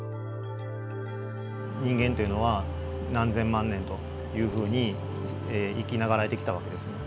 人間というのは何千万年というふうに生き長らえてきた訳ですね。